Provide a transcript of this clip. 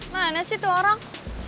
mana sih tuh orang